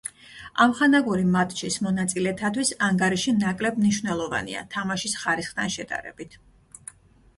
ამხანაგური მატჩის მონაწილეთათვის ანგარიში ნაკლებ მნიშვნელოვანია თამაშის ხარისხთან შედარებით.